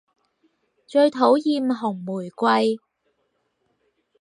最討厭紅玫瑰